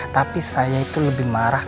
tapi saya itu lebih marah